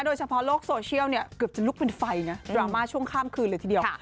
โดยเฉพาะโลกโซเชียลเนี่ยเกือบจะลุกเป็นไฟนะดราม่าช่วงข้ามคืนเลยทีเดียว